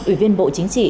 ủy viên bộ chính trị